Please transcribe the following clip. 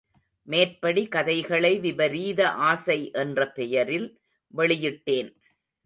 மேற்படி கதைகளை விபரீத ஆசை என்ற பெயரில் வெளியிட்டேன்.